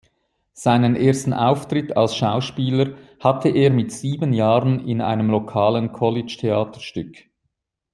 Seinen ersten Auftritt als Schauspieler hatte er mit sieben Jahren in einem lokalen College-Theaterstück.